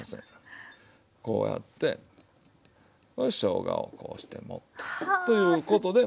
こうやってしょうがをこうして盛るということで。